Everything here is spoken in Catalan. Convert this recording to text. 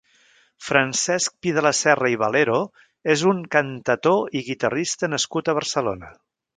Francesc Pi de la Serra i Valero és un cantator i guitarrista nascut a Barcelona.